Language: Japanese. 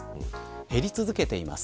減り続けています。